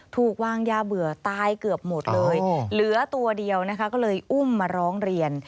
ถูกวางยาเบื่อตายเกือบหมดเลยเหลือตัวเดียวนะคะก็เลยอุ้มมาร้องเรียน